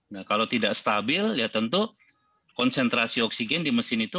nah kalau tidak stabil ya tentu konsentrasi oksigen di mesin itu